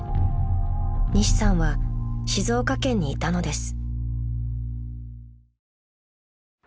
［西さんは静岡県にいたのです］